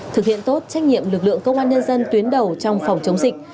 thực hiện tốt trách nhiệm lực lượng công an nhân dân tuyến đầu trong phòng chống dịch